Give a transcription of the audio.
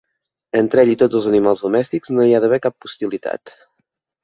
Entre ell i tots els animals domèstics no hi ha d'haver cap hostilitat.